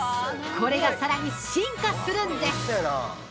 これがさらに進化するんです！